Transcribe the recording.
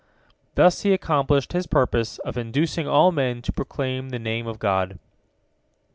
Thus he accomplished his purpose of inducing all men to proclaim the Name of God.